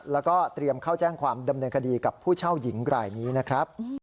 แล้วก็เตรียมเข้าแจ้งความดำเนินคดีกับผู้เช่าหญิงรายนี้นะครับ